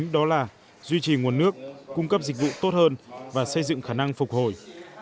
duy trì nguồn nước cung cấp dịch vụ tốt hơn và xây dựng khả năng phục hồi